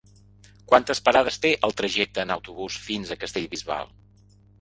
Quantes parades té el trajecte en autobús fins a Castellbisbal?